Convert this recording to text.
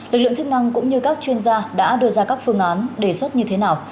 lực lượng chức năng cũng như các chuyên gia đã đưa ra các phương án đề xuất như thế nào